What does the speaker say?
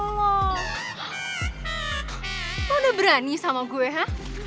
lo udah berani sama gue ha